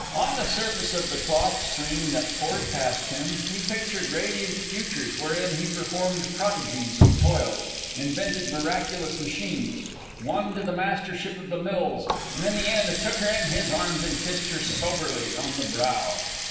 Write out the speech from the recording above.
On the surface of the cloth stream that poured past him, he pictured radiant futures wherein he performed prodigies of toil, invented miraculous machines, won to the mastership of the mills, and in the end took her in his arms and kissed her soberly on the brow.